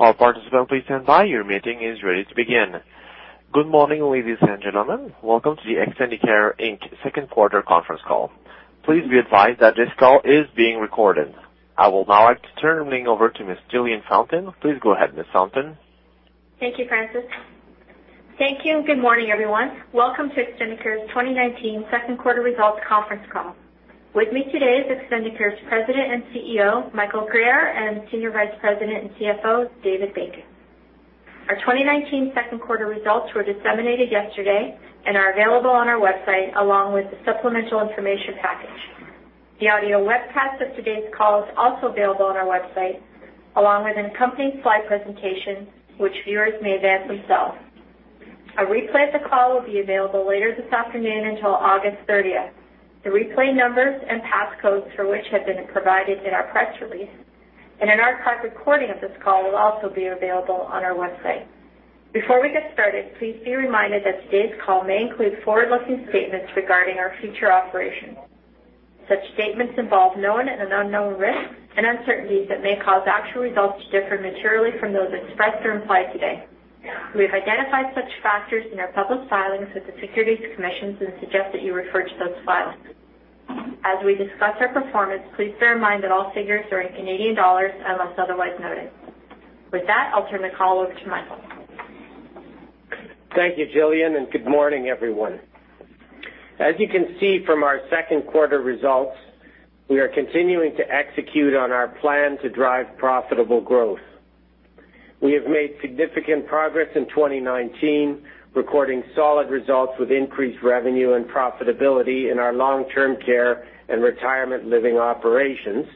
All participants please stand by. Your meeting is ready to begin. Good morning, ladies and gentlemen. Welcome to the Extendicare Inc. Second Quarter Conference Call. Please be advised that this call is being recorded. I will now like to turn the call over to Ms. Jillian Fountain. Please go ahead, Ms. Fountain. Thank you, Francis. Thank you. Good morning, everyone. Welcome to Extendicare's 2019 second quarter results conference call. With me today is Extendicare's President and CEO, Michael Guerriere, and Senior Vice President and CFO, David Bacon. Our 2019 second quarter results were disseminated yesterday and are available on our website along with the supplemental information package. The audio webcast of today's call is also available on our website, along with an accompanying slide presentation which viewers may advance themselves. A replay of the call will be available later this afternoon until August 30th. The replay numbers and passcodes for which have been provided in our press release and an archive recording of this call will also be available on our website. Before we get started, please be reminded that today's call may include forward-looking statements regarding our future operations. Such statements involve known and unknown risks and uncertainties that may cause actual results to differ materially from those expressed or implied today. We have identified such factors in our public filings with the Securities Commissions and suggest that you refer to those filings. As we discuss our performance, please bear in mind that all figures are in Canadian dollars unless otherwise noted. With that, I'll turn the call over to Michael. Thank you, Jillian, and good morning, everyone. As you can see from our second quarter results, we are continuing to execute on our plan to drive profitable growth. We have made significant progress in 2019, recording solid results with increased revenue and profitability in our long-term care and retirement living operations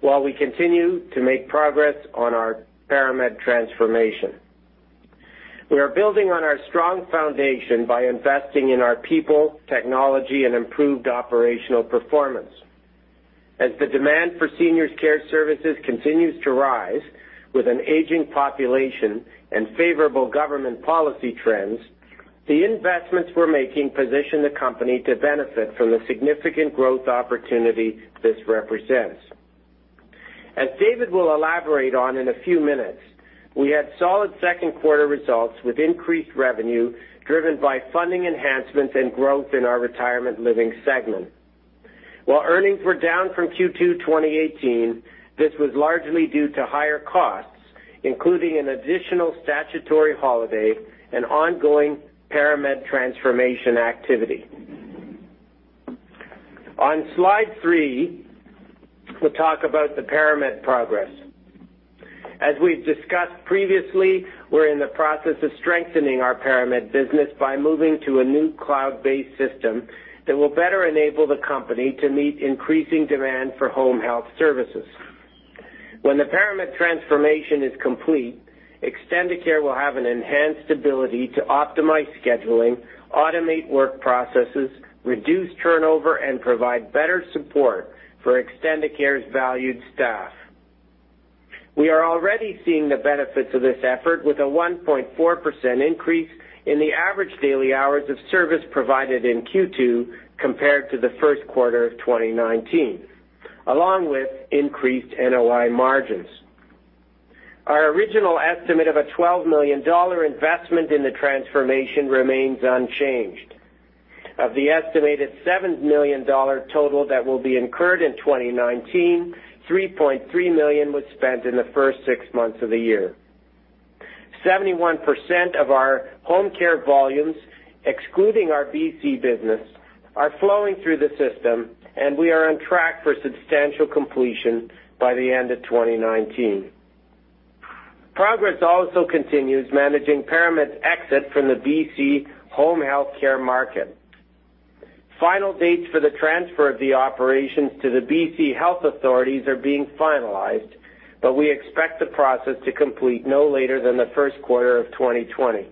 while we continue to make progress on our ParaMed transformation. We are building on our strong foundation by investing in our people, technology, and improved operational performance. As the demand for seniors care services continues to rise with an aging population and favorable government policy trends, the investments we are making position the company to benefit from the significant growth opportunity this represents. As David will elaborate on in a few minutes, we had solid second quarter results with increased revenue driven by funding enhancements and growth in our retirement living segment. While earnings were down from Q2 2018, this was largely due to higher costs, including an additional statutory holiday and ongoing ParaMed transformation activity. On slide three, we'll talk about the ParaMed progress. As we've discussed previously, we're in the process of strengthening our ParaMed business by moving to a new cloud-based system that will better enable the company to meet increasing demand for home health services. When the ParaMed transformation is complete, Extendicare will have an enhanced ability to optimize scheduling, automate work processes, reduce turnover, and provide better support for Extendicare's valued staff. We are already seeing the benefits of this effort with a 1.4% increase in the average daily hours of service provided in Q2 compared to the first quarter of 2019, along with increased NOI margins. Our original estimate of a 12 million dollar investment in the transformation remains unchanged. Of the estimated 7 million dollar total that will be incurred in 2019, 3.3 million was spent in the first 6 months of the year. 71% of our home care volumes, excluding our BC business, are flowing through the system, and we are on track for substantial completion by the end of 2019. Progress also continues managing ParaMed's exit from the B.C. home health care market. Final dates for the transfer of the operations to the B.C. Health Authorities are being finalized, but we expect the process to complete no later than the first quarter of 2020.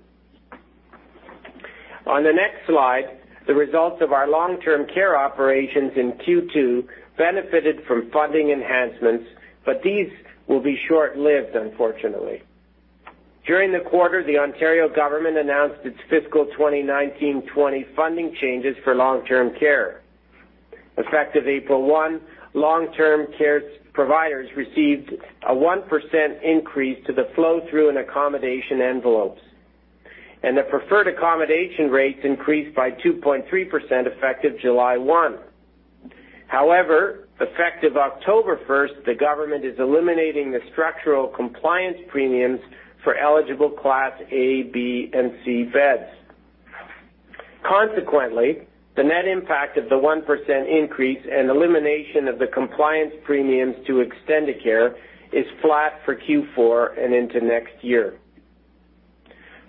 On the next slide, the results of our long-term care operations in Q2 benefited from funding enhancements, but these will be short-lived, unfortunately. During the quarter, the Ontario government announced its fiscal 2019/2020 funding changes for long-term care. Effective April 1, long-term care providers received a 1% increase to the flow-through and accommodation envelopes, and the preferred accommodation rates increased by 2.3% effective July 1. Effective October 1st, the government is eliminating the Structural Compliance Premiums for eligible class A, B, and C beds. The net impact of the 1% increase and elimination of the Structural Compliance Premiums to Extendicare is flat for Q4 and into next year.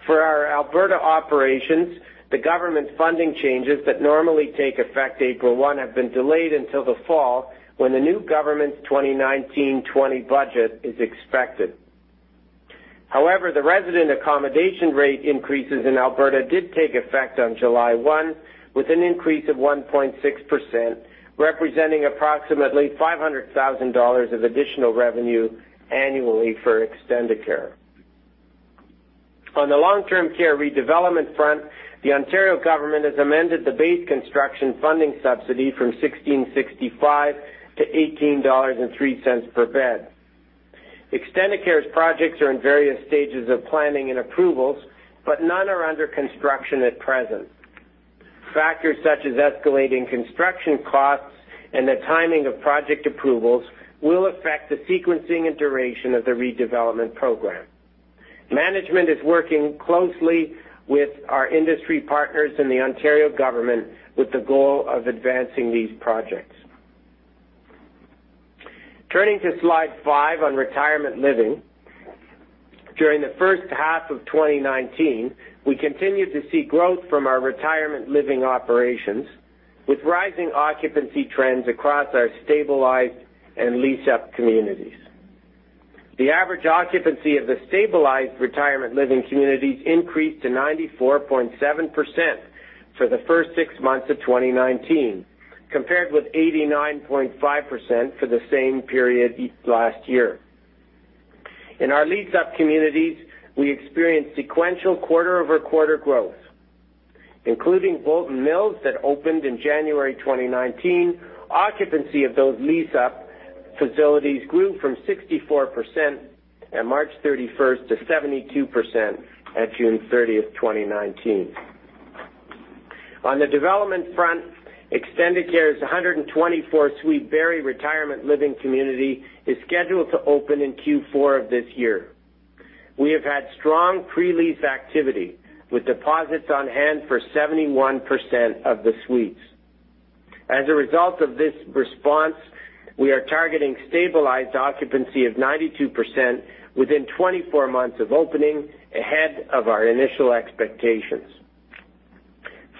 For our Alberta operations, the government funding changes that normally take effect April 1 have been delayed until the fall, when the new government's 2019/20 budget is expected. The resident accommodation rate increases in Alberta did take effect on July 1 with an increase of 1.6%, representing approximately 500,000 dollars of additional revenue annually for Extendicare. On the long-term care redevelopment front, the Ontario government has amended the base construction funding subsidy from 16.65 to 18.03 dollars per bed. Extendicare's projects are in various stages of planning and approvals. None are under construction at present. Factors such as escalating construction costs and the timing of project approvals will affect the sequencing and duration of the redevelopment program. Management is working closely with our industry partners in the Ontario government with the goal of advancing these projects. Turning to slide five on retirement living. During the first half of 2019, we continued to see growth from our retirement living operations, with rising occupancy trends across our stabilized and lease-up communities. The average occupancy of the stabilized retirement living communities increased to 94.7% for the first six months of 2019, compared with 89.5% for the same period last year. In our lease-up communities, we experienced sequential quarter-over-quarter growth. Including Bolton Mills that opened in January 2019, occupancy of those lease-up facilities grew from 64% at March 31st to 72% at June 30th, 2019. On the development front, Extendicare's 124-suite Barrie retirement living community is scheduled to open in Q4 of this year. We have had strong pre-lease activity, with deposits on hand for 71% of the suites. As a result of this response, we are targeting stabilized occupancy of 92% within 24 months of opening, ahead of our initial expectations.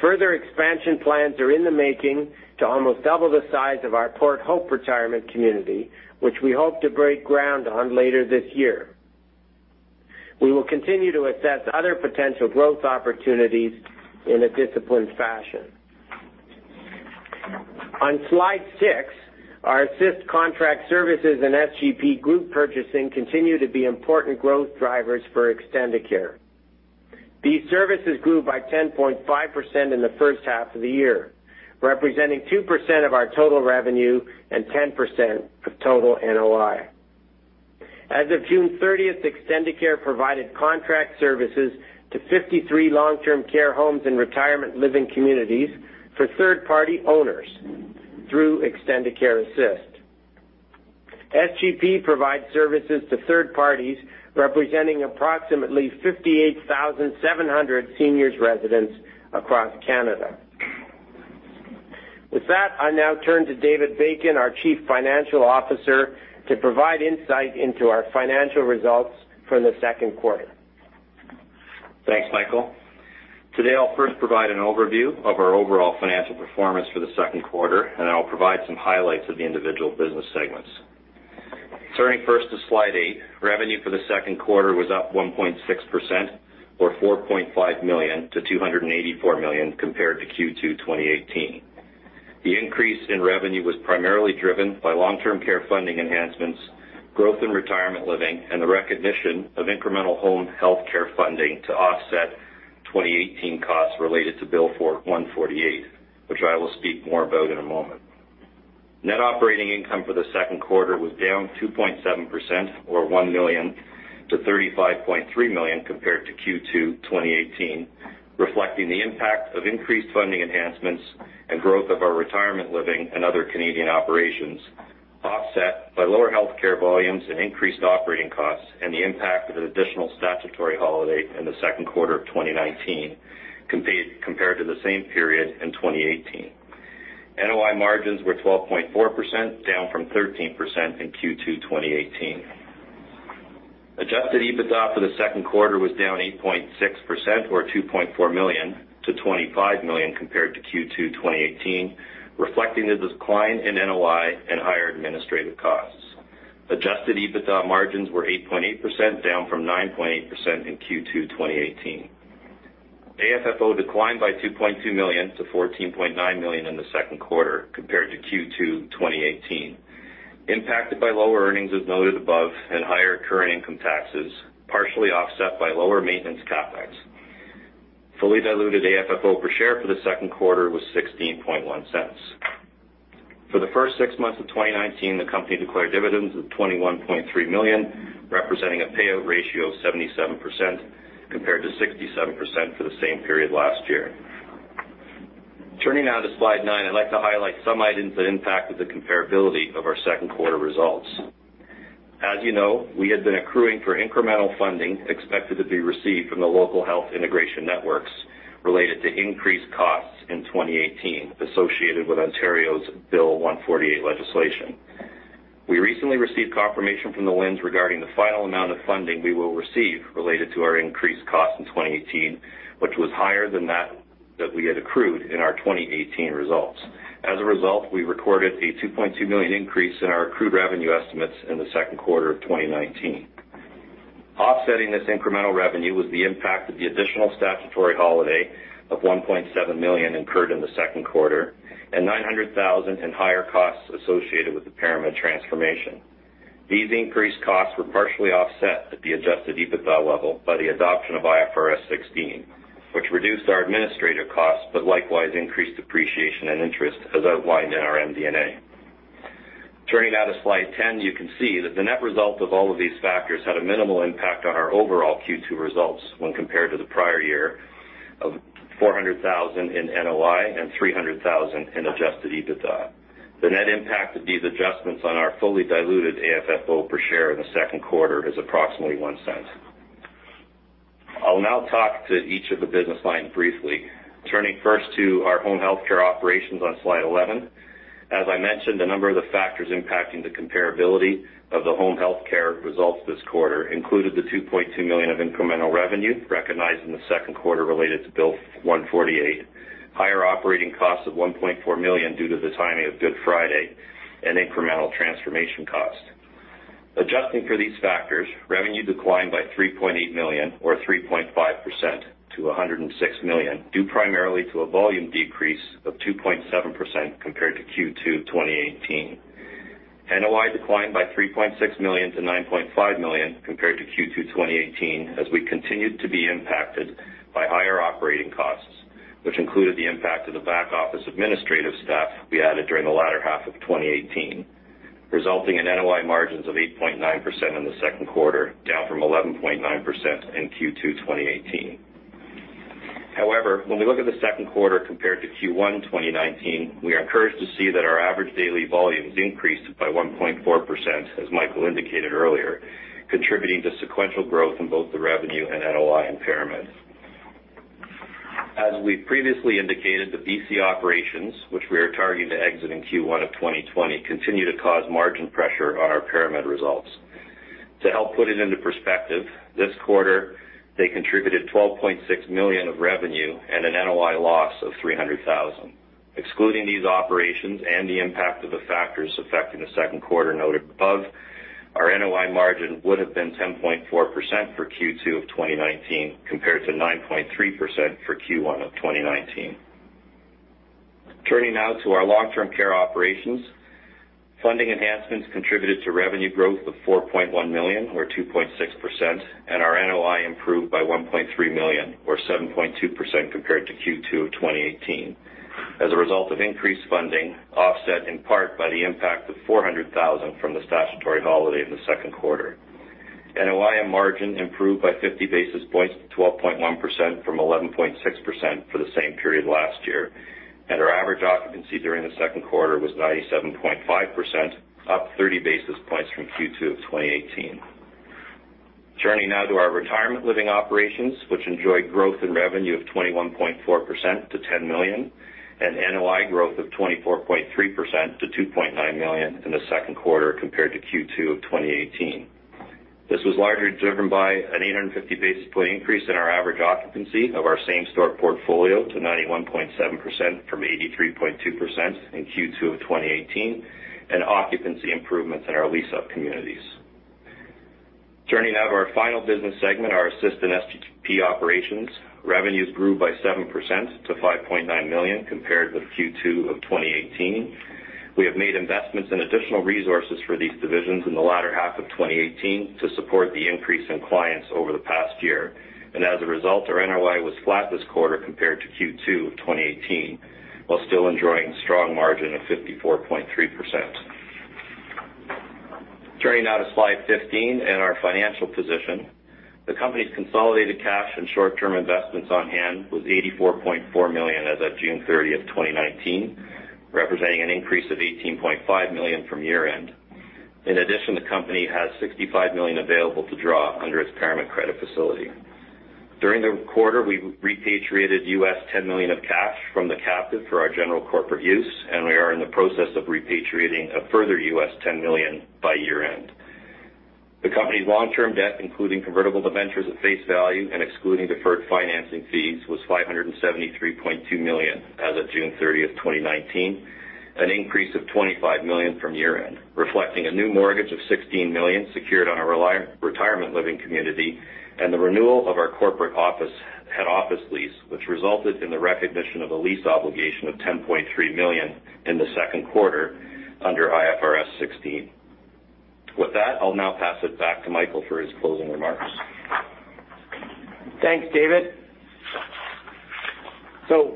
Further expansion plans are in the making to almost double the size of our Port Hope Retirement Community, which we hope to break ground on later this year. We will continue to assess other potential growth opportunities in a disciplined fashion. On slide six, our Assist contract services and SGP group purchasing continue to be important growth drivers for Extendicare. These services grew by 10.5% in the first half of the year, representing 2% of our total revenue and 10% of total NOI. As of June 30th, Extendicare provided contract services to 53 long-term care homes and retirement living communities for third-party owners through Extendicare Assist. SGP provides services to third parties representing approximately 58,700 seniors residents across Canada. With that, I now turn to David Bacon, our Chief Financial Officer, to provide insight into our financial results for the second quarter. Thanks, Michael. Today, I'll first provide an overview of our overall financial performance for the second quarter, and then I'll provide some highlights of the individual business segments. Turning first to slide eight, revenue for the second quarter was up 1.6%, or 4.5 million to 284 million compared to Q2 2018. The increase in revenue was primarily driven by long-term care funding enhancements, growth in retirement living, and the recognition of incremental home health care funding to offset 2018 costs related to Bill 148, which I will speak more about in a moment. Net operating income for the second quarter was down 2.7%, or 1 million to 35.3 million compared to Q2 2018, reflecting the impact of increased funding enhancements and growth of our retirement living and other Canadian operations, offset by lower healthcare volumes and increased operating costs and the impact of an additional statutory holiday in the second quarter of 2019, compared to the same period in 2018. NOI margins were 12.4%, down from 13% in Q2 2018. Adjusted EBITDA for the second quarter was down 8.6%, or 2.4 million to 25 million compared to Q2 2018, reflecting the decline in NOI and higher administrative costs. Adjusted EBITDA margins were 8.8%, down from 9.8% in Q2 2018. AFFO declined by 2.2 million to 14.9 million in the second quarter compared to Q2 2018, impacted by lower earnings as noted above and higher current income taxes, partially offset by lower maintenance CapEx. Fully diluted AFFO per share for the second quarter was 0.161. For the first six months of 2019, the company declared dividends of 21.3 million, representing a payout ratio of 77%, compared to 67% for the same period last year. Turning now to slide nine. I'd like to highlight some items that impacted the comparability of our second quarter results. As you know, we had been accruing for incremental funding expected to be received from the Local Health Integration Networks related to increased costs in 2018 associated with Ontario's Bill 148 legislation. We recently received confirmation from the LHINs regarding the final amount of funding we will receive related to our increased cost in 2018, which was higher than that we had accrued in our 2018 results. As a result, we recorded a 2.2 million increase in our accrued revenue estimates in the second quarter of 2019. Offsetting this incremental revenue was the impact of the additional statutory holiday of 1.7 million incurred in the second quarter and 900,000 in higher costs associated with the ParaMed transformation. These increased costs were partially offset at the adjusted EBITDA level by the adoption of IFRS 16, which reduced our administrative costs, but likewise increased depreciation and interest as outlined in our MD&A. Turning now to slide 10, you can see that the net result of all of these factors had a minimal impact on our overall Q2 results when compared to the prior year of 400,000 in NOI and 300,000 in adjusted EBITDA. The net impact of these adjustments on our fully diluted AFFO per share in the second quarter is approximately 0.01. I'll now talk to each of the business lines briefly. Turning first to our home health care operations on slide 11. As I mentioned, a number of the factors impacting the comparability of the home health care results this quarter included the 2.2 million of incremental revenue recognized in the second quarter related to Bill 148, higher operating costs of 1.4 million due to the timing of Good Friday, and incremental transformation cost. Adjusting for these factors, revenue declined by 3.8 million or 3.5% to 106 million, due primarily to a volume decrease of 2.7% compared to Q2 2018. NOI declined by 3.6 million to 9.5 million compared to Q2 2018, as we continued to be impacted by higher operating costs, which included the impact of the back office administrative staff we added during the latter half of 2018, resulting in NOI margins of 8.9% in the second quarter, down from 11.9% in Q2 2018. However, when we look at the second quarter compared to Q1 2019, we are encouraged to see that our average daily volumes increased by 1.4%, as Michael indicated earlier, contributing to sequential growth in both the revenue and NOI in ParaMed. As we've previously indicated, the B.C. operations, which we are targeting to exit in Q1 of 2020, continue to cause margin pressure on our ParaMed results. To help put it into perspective, this quarter, they contributed 12.6 million of revenue and an NOI loss of 300,000. Excluding these operations and the impact of the factors affecting the second quarter noted above, our NOI margin would have been 10.4% for Q2 of 2019, compared to 9.3% for Q1 of 2019. Turning now to our long-term care operations. Funding enhancements contributed to revenue growth of 4.1 million or 2.6%, and our NOI improved by 1.3 million or 7.2% compared to Q2 of 2018 as a result of increased funding, offset in part by the impact of 400,000 from the statutory holiday in the second quarter. NOI and margin improved by 50 basis points to 12.1% from 11.6% for the same period last year, and our average occupancy during the second quarter was 97.5%, up 30 basis points from Q2 of 2018. Turning now to our retirement living operations, which enjoyed growth in revenue of 21.4% to 10 million, and NOI growth of 24.3% to 2.9 million in the second quarter compared to Q2 of 2018. This was largely driven by an 850 basis point increase in our average occupancy of our same store portfolio to 91.7% from 83.2% in Q2 of 2018, and occupancy improvements in our lease-up communities. Turning now to our final business segment, our Extendicare Assist and SGP operations. Revenues grew by 7% to 5.9 million compared with Q2 of 2018. We have made investments in additional resources for these divisions in the latter half of 2018 to support the increase in clients over the past year. As a result, our NOI was flat this quarter compared to Q2 of 2018, while still enjoying strong margin of 54.3%. Turning now to slide 15 and our financial position. The company's consolidated cash and short-term investments on hand was 84.4 million as of June 30th, 2019, representing an increase of 18.5 million from year-end. In addition, the company has 65 million available to draw under its ParaMed credit facility. During the quarter, we repatriated $10 million of cash from the captive for our general corporate use, and we are in the process of repatriating a further $10 million by year-end. The company's long-term debt, including convertible debentures at face value and excluding deferred financing fees, was 573.2 million as of June 30th, 2019, an increase of 25 million from year-end, reflecting a new mortgage of 16 million secured on a retirement living community and the renewal of our corporate head office lease, which resulted in the recognition of a lease obligation of 10.3 million in the second quarter under IFRS 16. With that, I'll now pass it back to Michael for his closing remarks. Thanks, David.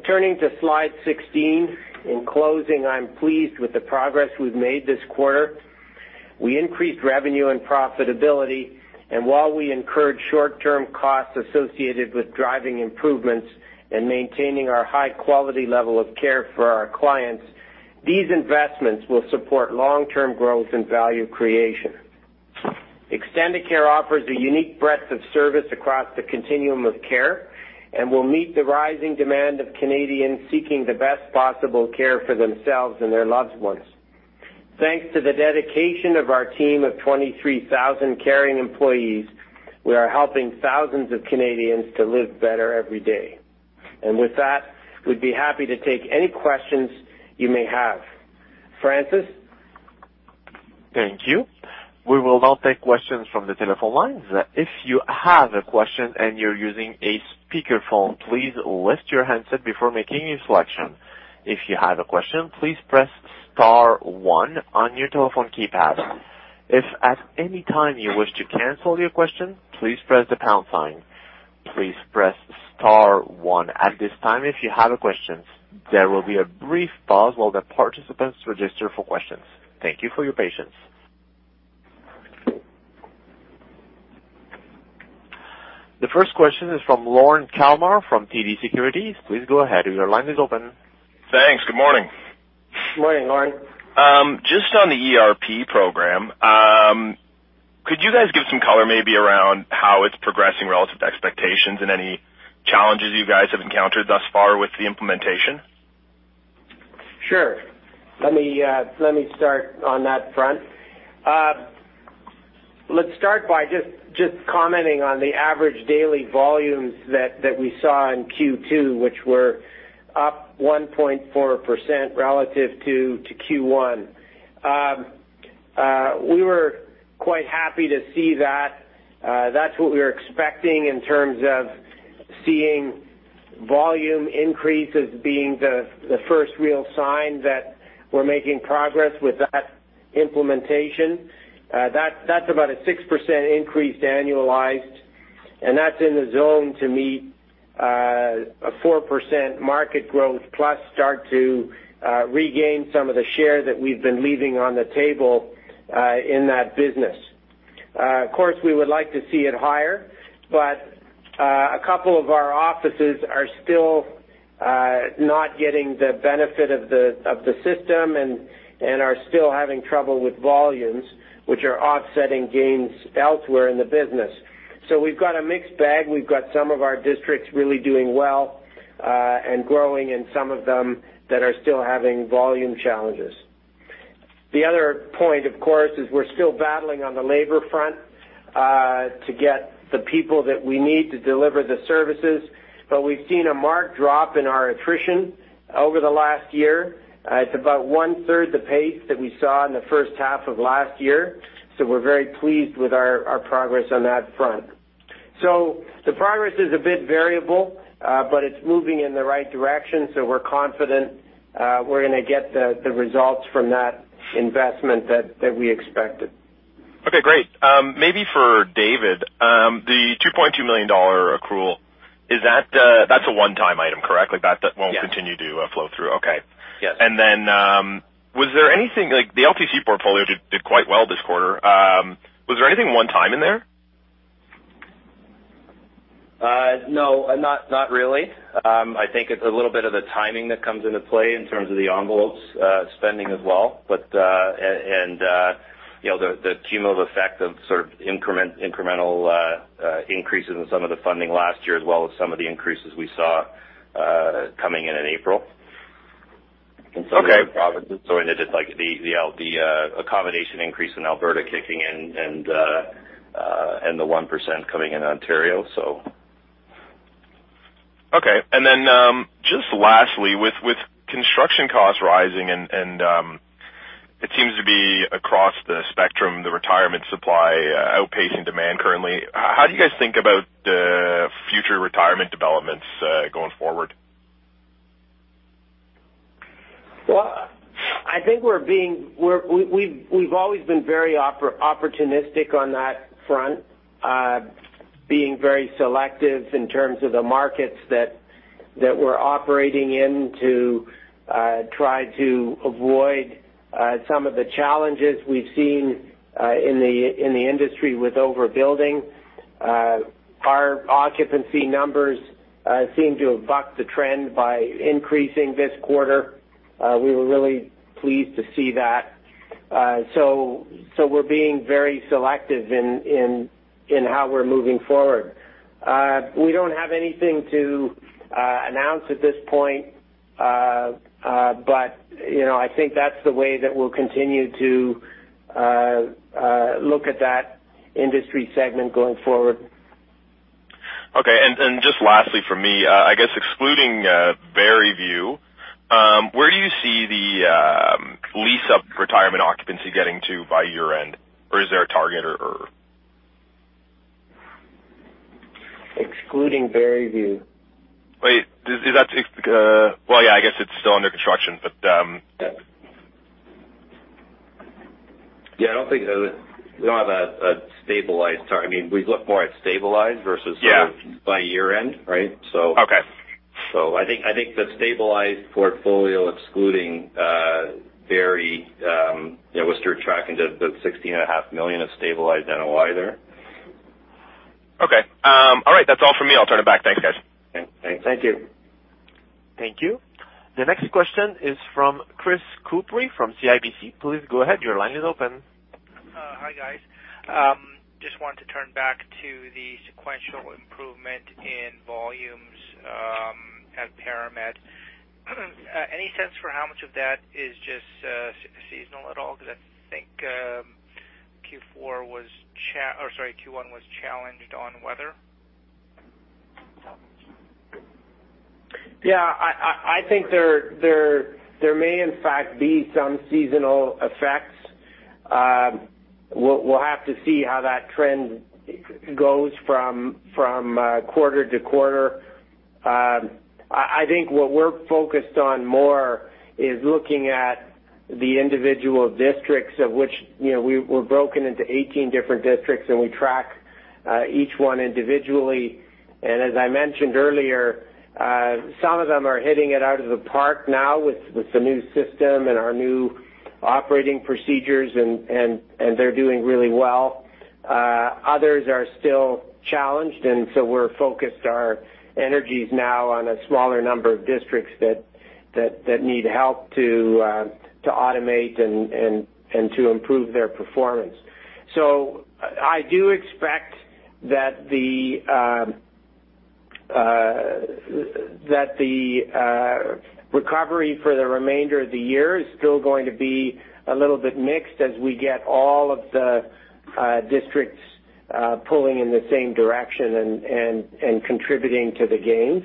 Turning to slide 16. In closing, I'm pleased with the progress we've made this quarter. We increased revenue and profitability, and while we incurred short-term costs associated with driving improvements and maintaining our high-quality level of care for our clients, these investments will support long-term growth and value creation. Extendicare offers a unique breadth of service across the continuum of care and will meet the rising demand of Canadians seeking the best possible care for themselves and their loved ones. Thanks to the dedication of our team of 23,000 caring employees, we are helping thousands of Canadians to live better every day. With that, we'd be happy to take any questions you may have. Francis? Thank you. We will now take questions from the telephone lines. If you have a question and you're using a speakerphone, please lift your handset before making a selection. If you have a question, please press star one on your telephone keypad. If at any time you wish to cancel your question, please press the pound sign. Please press star one at this time if you have a question. There will be a brief pause while the participants register for questions. Thank you for your patience. The first question is from Lorne Kalmar from TD Securities. Please go ahead. Your line is open. Thanks. Good morning. Good morning, Lorne. Just on the ERP program, could you guys give some color maybe around how it's progressing relative to expectations and any challenges you guys have encountered thus far with the implementation? Sure. Let me start on that front. Let's start by just commenting on the average daily volumes that we saw in Q2, which were up 1.4% relative to Q1. We were quite happy to see that. That's what we were expecting in terms of seeing volume increases being the first real sign that we're making progress with that implementation. That's about a 6% increase annualized, and that's in the zone to meet a 4% market growth, plus start to regain some of the share that we've been leaving on the table in that business. Of course, we would like to see it higher, but a couple of our offices are still not getting the benefit of the system and are still having trouble with volumes, which are offsetting gains elsewhere in the business. We've got a mixed bag. We've got some of our districts really doing well and growing, and some of them that are still having volume challenges. The other point, of course, is we're still battling on the labor front to get the people that we need to deliver the services. We've seen a marked drop in our attrition over the last year. It's about 1/3 the pace that we saw in the first half of last year. We're very pleased with our progress on that front. The progress is a bit variable, but it's moving in the right direction. We're confident we're going to get the results from that investment that we expected. Okay, great. Maybe for David, the 2.2 million dollar accrual, that's a one-time item, correctly? Yes Continue to flow through. Okay. Yes. The LTC portfolio did quite well this quarter. Was there anything one-time in there? No, not really. I think it's a little bit of the timing that comes into play in terms of the envelope spending as well, and the cumulative effect of sort of incremental increases in some of the funding last year as well as some of the increases we saw coming in in April. Okay. In some of the provinces. It is just like the accommodation increase in Alberta kicking in and the 1% coming in Ontario. Okay. Just lastly, with construction costs rising, and it seems to be across the spectrum, the retirement supply outpacing demand currently, how do you guys think about future retirement developments going forward? Well, I think we've always been very opportunistic on that front. Being very selective in terms of the markets that we're operating in to try to avoid some of the challenges we've seen in the industry with overbuilding. Our occupancy numbers seem to have bucked the trend by increasing this quarter. We were really pleased to see that. We're being very selective in how we're moving forward. We don't have anything to announce at this point. I think that's the way that we'll continue to look at that industry segment going forward. Okay. Just lastly from me, I guess excluding The Barrieview, where do you see the lease-up retirement occupancy getting to by year-end? Or is there a target? Excluding Barrieview. Wait. I guess it's still under construction, but Yeah, I don't think we don't have a stabilized target. Yeah by year-end, right? Okay. I think the stabilized portfolio, excluding Barrie, was through tracking the CAD 16.5 million of stabilized NOI there. Okay. All right, that's all from me. I'll turn it back. Thanks, guys. Okay, thanks. Thank you. Thank you. The next question is from Chris Couprie from CIBC. Please go ahead. Your line is open. Hi, guys. Wanted to turn back to the sequential improvement in volumes at ParaMed. Any sense for how much of that is just seasonal at all, because I think Q1 was challenged on weather? Yeah. I think there may in fact be some seasonal effects. We'll have to see how that trend goes from quarter to quarter. I think what we're focused on more is looking at the individual districts, of which we're broken into 18 different districts, and we track each one individually. As I mentioned earlier, some of them are hitting it out of the park now with the new system and our new operating procedures, and they're doing really well. Others are still challenged, we're focused our energies now on a smaller number of districts that need help to automate and to improve their performance. I do expect that the recovery for the remainder of the year is still going to be a little bit mixed as we get all of the districts pulling in the same direction and contributing to the gains.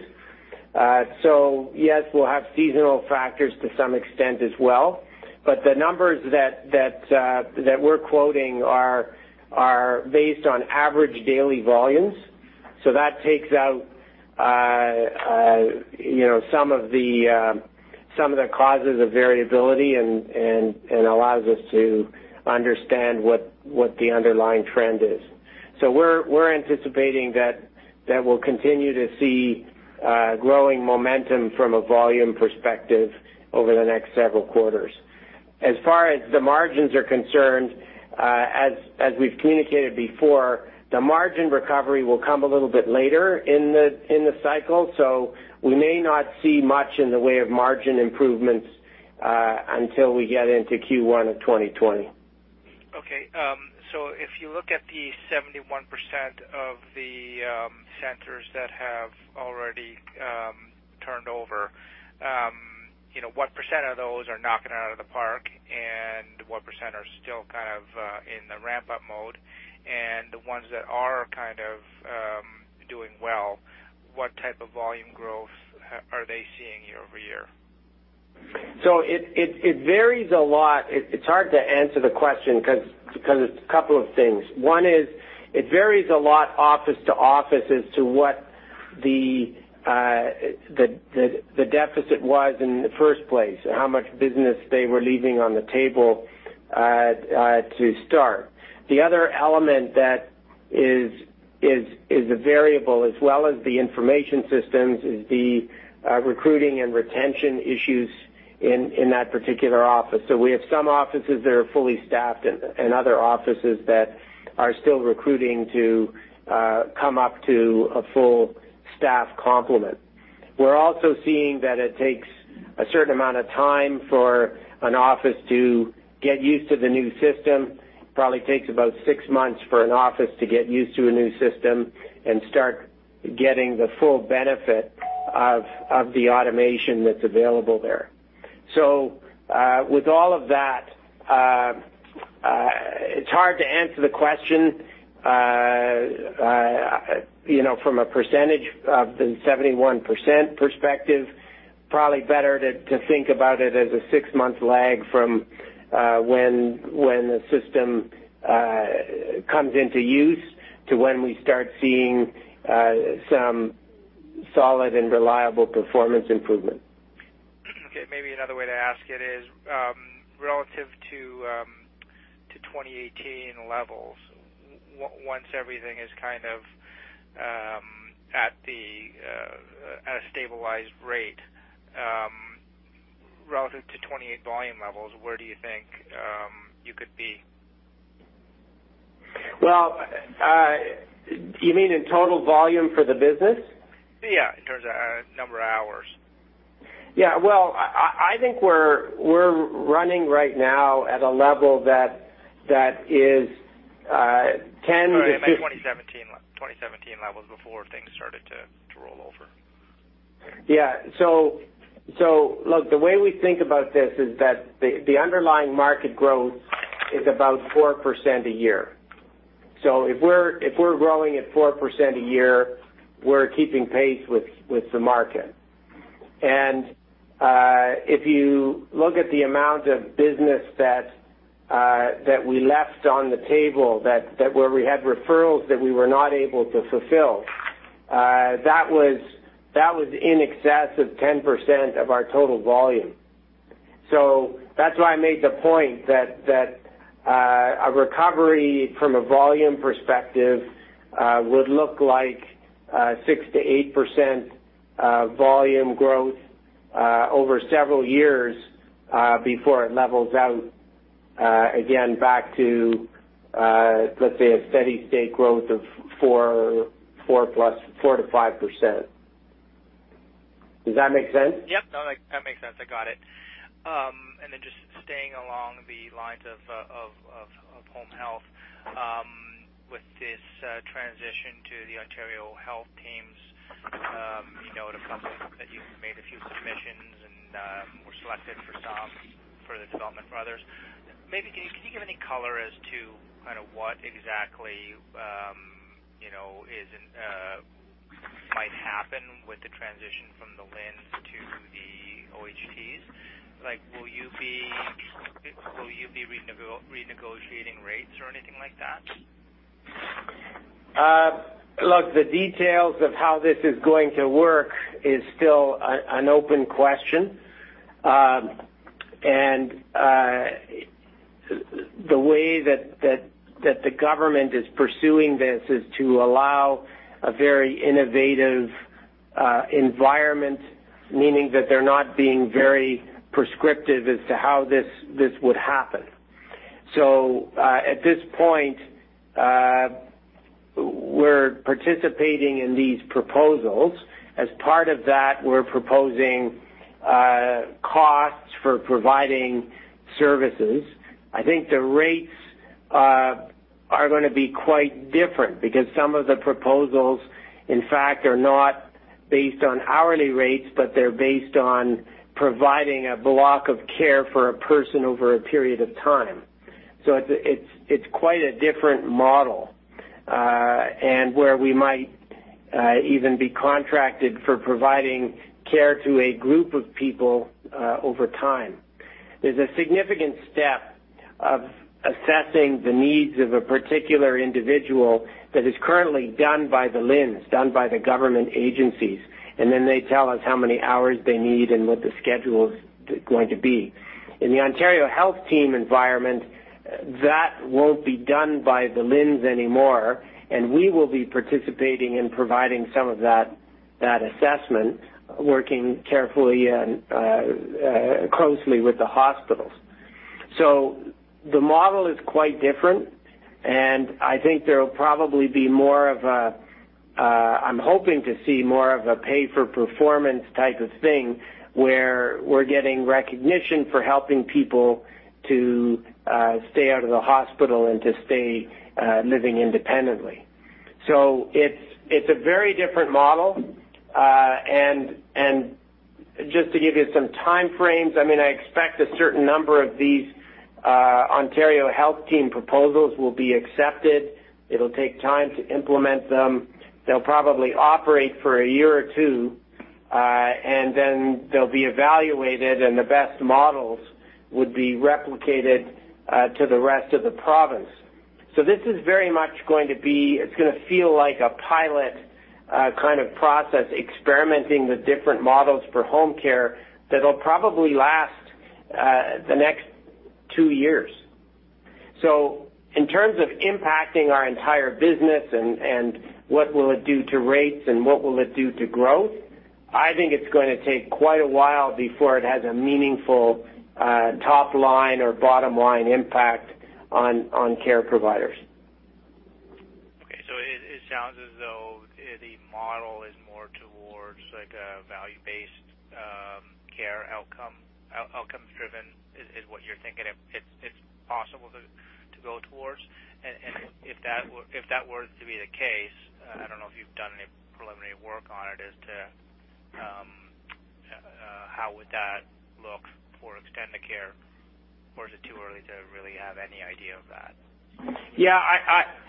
Yes, we'll have seasonal factors to some extent as well, but the numbers that we're quoting are based on average daily volumes. That takes out some of the causes of variability and allows us to understand what the underlying trend is. We're anticipating that we'll continue to see growing momentum from a volume perspective over the next several quarters. As far as the margins are concerned, as we've communicated before, the margin recovery will come a little bit later in the cycle. We may not see much in the way of margin improvements until we get into Q1 of 2020. Okay. If you look at the 71% of the centers that have already turned over, what percent of those are knocking it out of the park, and what percent are still kind of in the ramp-up mode? And the ones that are kind of doing well, what type of volume growth are they seeing year-over-year? It varies a lot. It's hard to answer the question because it's a couple of things. One is it varies a lot office to office as to what the deficit was in the first place, how much business they were leaving on the table to start. The other element that is a variable, as well as the information systems, is the recruiting and retention issues in that particular office. We have some offices that are fully staffed and other offices that are still recruiting to come up to a full staff complement. We're also seeing that it takes a certain amount of time for an office to get used to the new system. Probably takes about six months for an office to get used to a new system and start getting the full benefit of the automation that's available there. With all of that, it's hard to answer the question from a percentage of the 71% perspective. Probably better to think about it as a six-month lag from when the system comes into use to when we start seeing some solid and reliable performance improvement. Okay, maybe another way to ask it is, relative to 2018 levels, once everything is kind of at a stabilized rate, relative to 2018 volume levels, where do you think you could be? Well, you mean in total volume for the business? Yeah, in terms of number of hours. Yeah. Well, I think we're running right now at a level that is. Sorry, I meant 2017 levels before things started to roll over. Yeah. Look, the way we think about this is that the underlying market growth is about 4% a year. If we're growing at 4% a year, we're keeping pace with the market. If you look at the amount of business that we left on the table, where we had referrals that we were not able to fulfill, that was in excess of 10% of our total volume. That's why I made the point that a recovery from a volume perspective would look like 6%-8% volume growth over several years before it levels out again back to, let's say, a steady state growth of 4%-5%. Does that make sense? Yep. No, that makes sense. I got it. Just staying along the lines of home health. With this transition to the Ontario Health Teams, we know that you've made a few submissions and were selected for some for the development for others. Maybe, can you give any color as to kind of what exactly is in OHTs? Will you be renegotiating rates or anything like that? Look, the details of how this is going to work is still an open question. The way that the government is pursuing this is to allow a very innovative environment, meaning that they're not being very prescriptive as to how this would happen. At this point, we're participating in these proposals. As part of that, we're proposing costs for providing services. I think the rates are going to be quite different because some of the proposals, in fact, are not based on hourly rates, but they're based on providing a block of care for a person over a period of time. It's quite a different model, and where we might even be contracted for providing care to a group of people over time. There's a significant step of assessing the needs of a particular individual that is currently done by the LHINs, done by the government agencies, and then they tell us how many hours they need and what the schedule is going to be. In the Ontario Health Team environment, that won't be done by the LHINs anymore, and we will be participating in providing some of that assessment, working carefully and closely with the hospitals. The model is quite different, and I'm hoping to see more of a pay-for-performance type of thing where we're getting recognition for helping people to stay out of the hospital and to stay living independently. It's a very different model. Just to give you some time frames, I expect a certain number of these Ontario Health Team proposals will be accepted. It'll take time to implement them. They'll probably operate for a year or two, they'll be evaluated, the best models would be replicated to the rest of the province. This is very much going to feel like a pilot kind of process, experimenting with different models for home care that'll probably last the next two years. In terms of impacting our entire business and what will it do to rates and what will it do to growth, I think it's going to take quite a while before it has a meaningful top line or bottom line impact on care providers. Okay. It sounds as though the model is more towards a value-based care outcome. Outcomes driven is what you're thinking it's possible to go towards? If that were to be the case, I don't know if you've done any preliminary work on it, as to how would that look for Extendicare, or is it too early to really have any idea of that? Yeah.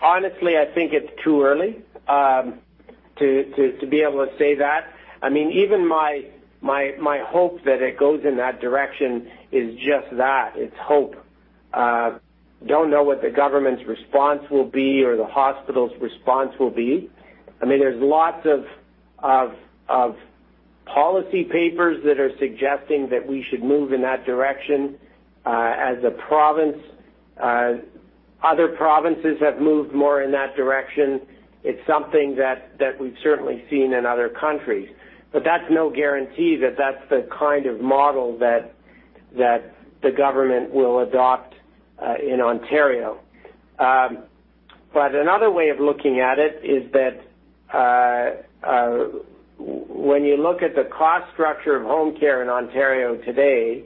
Honestly, I think it's too early to be able to say that. Even my hope that it goes in that direction is just that. It's hope. Don't know what the government's response will be or the hospital's response will be. There's lots of policy papers that are suggesting that we should move in that direction. As a province, other provinces have moved more in that direction. It's something that we've certainly seen in other countries. That's no guarantee that that's the kind of model that the government will adopt in Ontario. Another way of looking at it is that when you look at the cost structure of home care in Ontario today,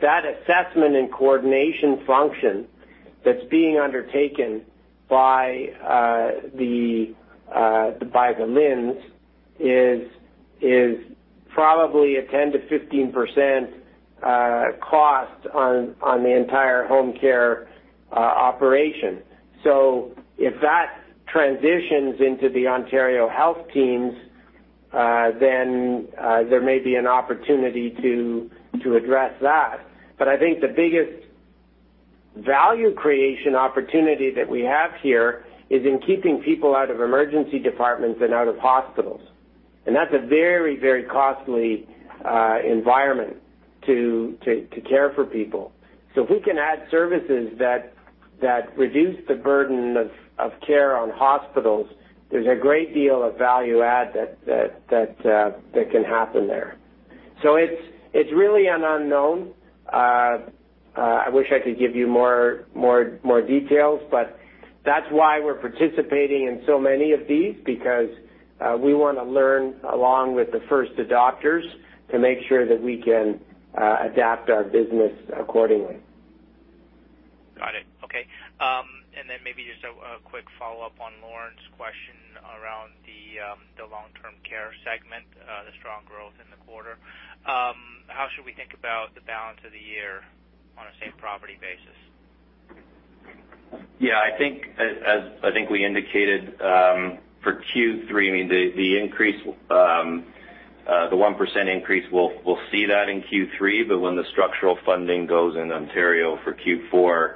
that assessment and coordination function that's being undertaken by the LHINs is probably a 10%-15% cost on the entire home care operation. If that transitions into the Ontario Health Teams, then there may be an opportunity to address that. I think the biggest value creation opportunity that we have here is in keeping people out of emergency departments and out of hospitals. That's a very costly environment to care for people. If we can add services that reduce the burden of care on hospitals, there's a great deal of value add that can happen there. It's really an unknown. I wish I could give you more details, but that's why we're participating in so many of these, because we want to learn along with the first adopters to make sure that we can adapt our business accordingly. Got it. Okay. Maybe just a quick follow-up on Lorne's question around the long-term care segment, the strong growth in the quarter. How should we think about the balance of the year on a same-property basis? Yeah, I think as we indicated for Q3, the 1% increase we'll see that in Q3, but when the structural funding goes in Ontario for Q4,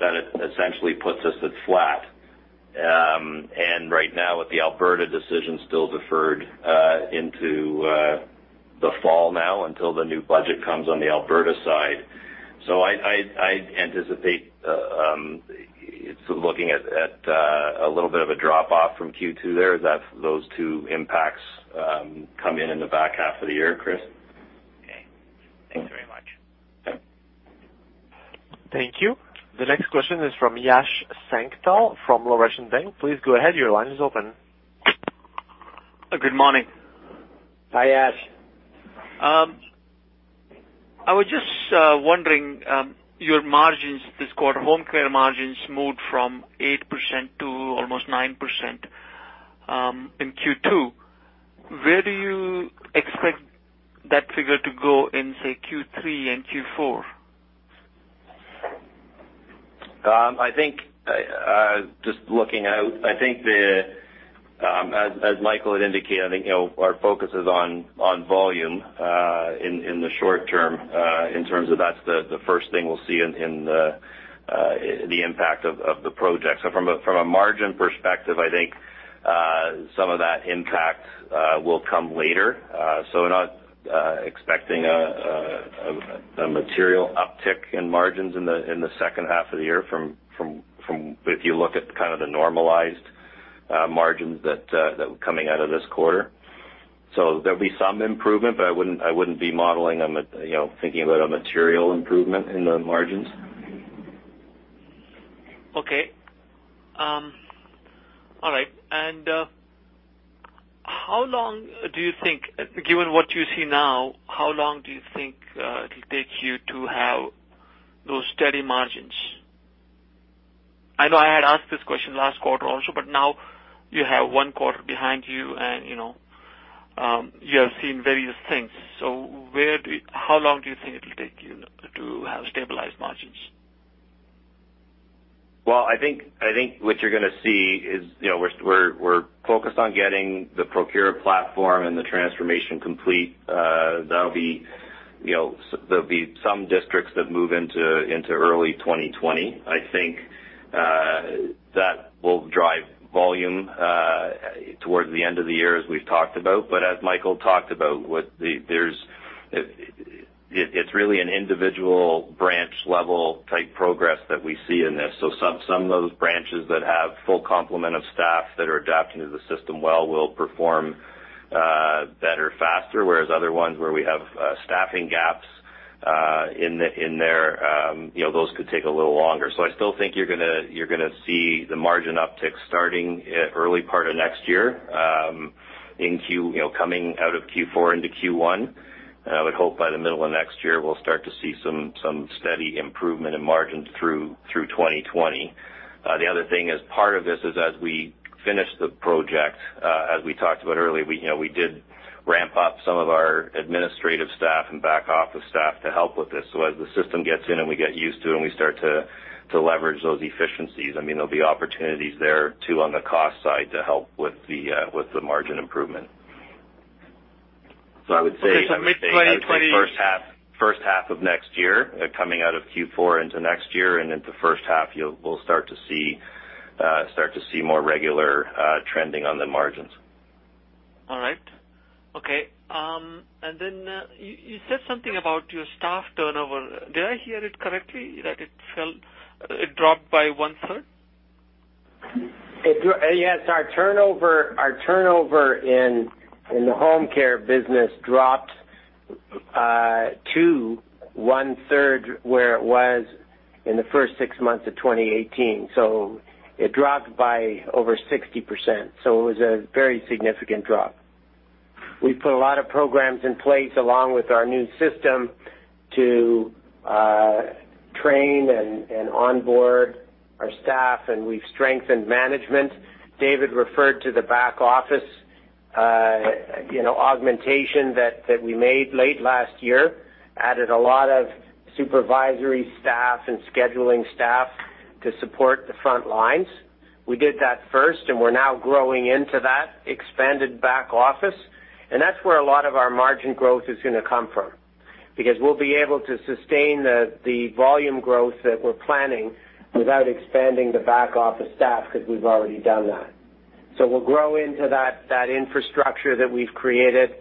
that essentially puts us at flat. Right now with the Alberta decision still deferred into the fall now until the new budget comes on the Alberta side. I anticipate, looking at a little bit of a drop off from Q2 there, that those two impacts come in in the back half of the year, Chris. Okay. Thanks very much. Yep. Thank you. The next question is from Yash Sankpal from Laurentian Bank. Please go ahead. Your line is open. Good morning. Hi, Yash. I was just wondering, your margins this quarter, home care margins moved from 8% to almost 9% in Q2. Where do you expect that figure to go in, say, Q3 and Q4? Just looking out, I think as Michael had indicated, I think our focus is on volume in the short term, in terms of that's the first thing we'll see in the impact of the project. From a margin perspective, I think some of that impact will come later. Not expecting a material uptick in margins in the second half of the year from if you look at the normalized margins that were coming out of this quarter. There'll be some improvement, but I wouldn't be modeling them, thinking about a material improvement in the margins. Okay. All right. Given what you see now, how long do you think it'll take you to have those steady margins? I know I had asked this question last quarter also, but now you have one quarter behind you, and you have seen various things. How long do you think it'll take you to have stabilized margins? I think what you're going to see is we're focused on getting the Procura platform and the transformation complete. There'll be some districts that move into early 2020. I think that will drive volume towards the end of the year as we've talked about. As Michael talked about, it's really an individual branch level type progress that we see in this. Some of those branches that have full complement of staff that are adapting to the system well will perform better, faster. Whereas other ones where we have staffing gaps in there, those could take a little longer. I still think you're going to see the margin uptick starting early part of next year, coming out of Q4 into Q1. I would hope by the middle of next year, we'll start to see some steady improvement in margins through 2020. The other thing as part of this is as we finish the project, as we talked about earlier, we did ramp up some of our administrative staff and back office staff to help with this. As the system gets in and we get used to it and we start to leverage those efficiencies, there'll be opportunities there too on the cost side to help with the margin improvement. Okay, mid 2020. I would say first half of next year, coming out of Q4 into next year, and into first half, we'll start to see more regular trending on the margins. All right. Okay. You said something about your staff turnover. Did I hear it correctly that it dropped by 1/3? Yes, our turnover in the home care business dropped to 1/3 where it was in the first six months of 2018. It dropped by over 60%. It was a very significant drop. We put a lot of programs in place along with our new system to train and onboard our staff, and we've strengthened management. David referred to the back office augmentation that we made late last year, added a lot of supervisory staff and scheduling staff to support the front lines. We did that first, and we're now growing into that expanded back office. That's where a lot of our margin growth is going to come from because we'll be able to sustain the volume growth that we're planning without expanding the back office staff because we've already done that. We'll grow into that infrastructure that we've created,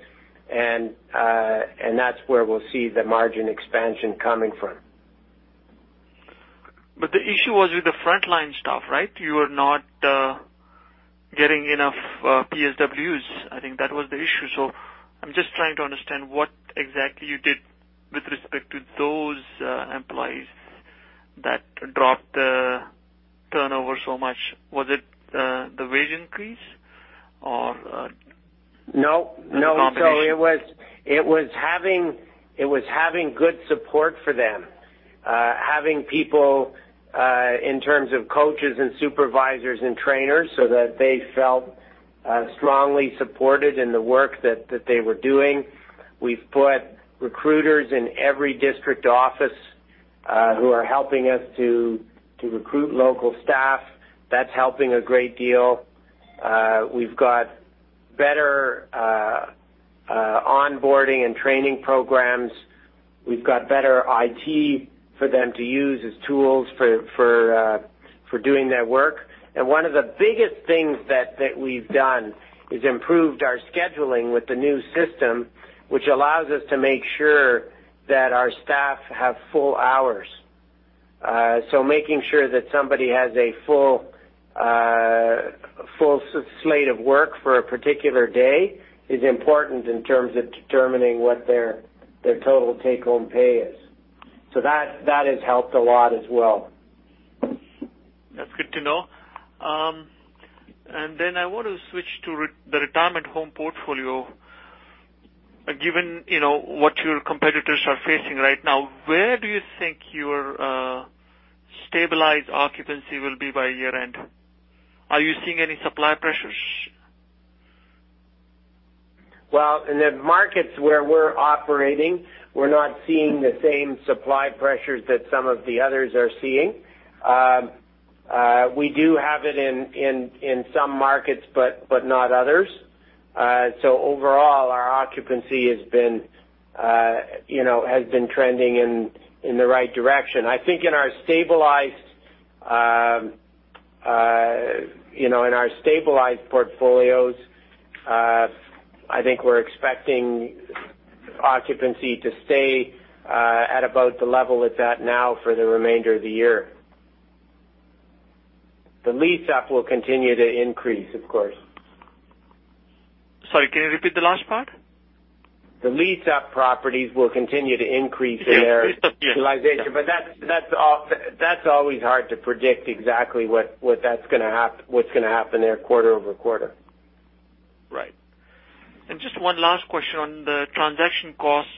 and that's where we'll see the margin expansion coming from. The issue was with the frontline staff, right? You were not getting enough PSWs. I think that was the issue. I'm just trying to understand what exactly you did with respect to those employees that dropped the turnover so much. Was it the wage increase or- No. -compensation? It was having good support for them. Having people in terms of coaches and supervisors and trainers so that they felt strongly supported in the work that they were doing. We've put recruiters in every district office who are helping us to recruit local staff. That's helping a great deal. We've got better onboarding and training programs. We've got better IT for them to use as tools for doing their work. One of the biggest things that we've done is improved our scheduling with the new system, which allows us to make sure that our staff have full hours. Making sure that somebody has a full slate of work for a particular day is important in terms of determining what their total take-home pay is. That has helped a lot as well. That's good to know. Then I want to switch to the retirement home portfolio. Given what your competitors are facing right now, where do you think your stabilized occupancy will be by year-end? Are you seeing any supply pressures? In the markets where we're operating, we're not seeing the same supply pressures that some of the others are seeing. We do have it in some markets, but not others. Overall, our occupancy has been trending in the right direction. I think in our stabilized portfolios, I think we're expecting occupancy to stay at about the level it's at now for the remainder of the year. The lease up will continue to increase, of course. Sorry, can you repeat the last part? The lease up properties will continue to increase. Yes. In their utilization, but that's always hard to predict exactly what's going to happen there quarter-over-quarter. Right. Just one last question on the transaction costs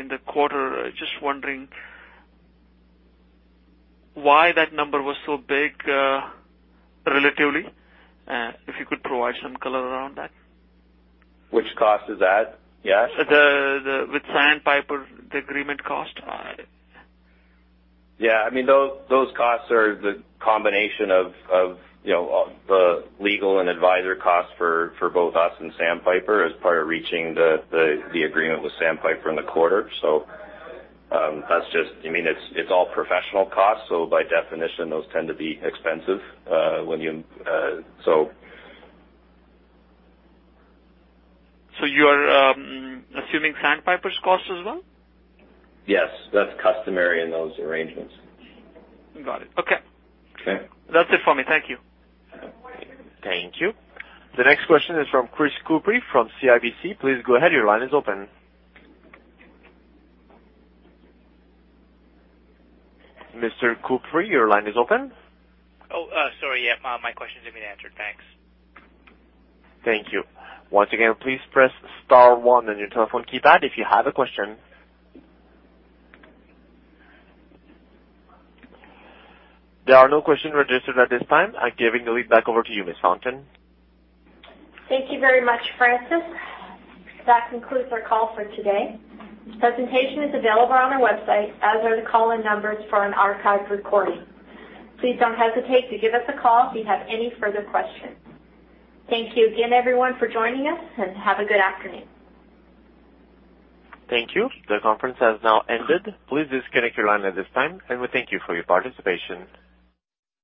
in the quarter. Just wondering why that number was so big, relatively, if you could provide some color around that. Which cost is that? Yes. With Sandpiper, the agreement cost. Yeah. Those costs are the combination of the legal and advisor costs for both us and Sandpiper as part of reaching the agreement with Sandpiper in the quarter. It's all professional costs, so by definition, those tend to be expensive. You're assuming Sandpiper's cost as well? Yes. That's customary in those arrangements. Got it. Okay. Okay. That's it for me. Thank you. Thank you. The next question is from Chris Couprie from CIBC. Please go ahead, your line is open. Mr. Couprie, your line is open. Oh, sorry. Yeah. My question's been answered. Thanks. Thank you. Once again, please press star one on your telephone keypad if you have a question. There are no questions registered at this time. I'm giving the lead back over to you, Ms. Fountain. Thank you very much, Francis. That concludes our call for today. Presentation is available on our website, as are the call-in numbers for an archived recording. Please don't hesitate to give us a call if you have any further questions. Thank you again, everyone, for joining us, and have a good afternoon. Thank you. The conference has now ended. Please disconnect your line at this time, and we thank you for your participation.